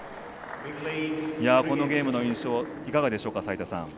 このゲームの印象、いかがですか。